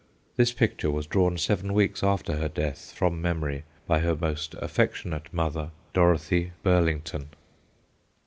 This picture was drawn seven weeks after her death (from memory) by her most affectionate mother, Dorothy Burlington.